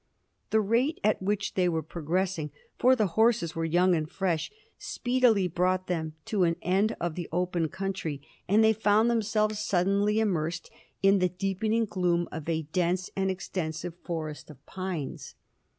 The rate at which they were progressing for the horses were young and fresh speedily brought them to an end of the open country, and they found themselves suddenly immersed in the deepening gloom of a dense and extensive forest of pines.